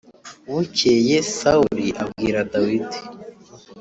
Bukeye Sawuli abwira Dawidi